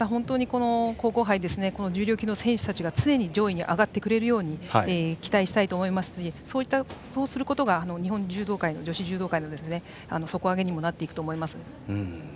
皇后杯重量級の選手たちが常に上位に上がってくれるように期待したいと思いますしそうすることが日本柔道界、女子柔道界の底上げにもなると思います。